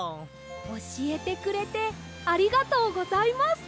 おしえてくれてありがとうございます！